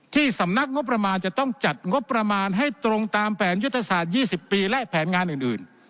สำนักงบประมาณจะต้องจัดงบประมาณให้ตรงตามแผนยุทธศาสตร์๒๐ปีและแผนงานอื่น